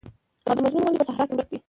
او د مجنون غوندې په صحرا کې ورک دى.